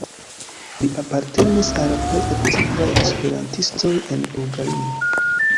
Li apartenis al plej aktivaj esperantistoj en Bulgario.